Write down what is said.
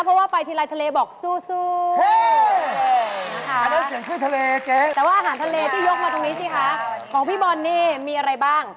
ของพี่บอร์เนต์มีอะไรบ้าง